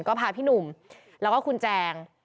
ก็พาพี่หนุ่มแล้วก็คุณแจง